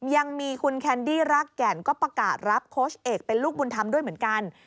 ยังมีคุณแคนดี้รักแก่นก็ประกาศรับโค้ชเอกเป็นลูกบุญธรรมด้วยเหมือนกัน